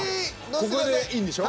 ここでいいんでしょ？